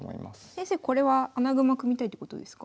先生これは穴熊組みたいってことですか？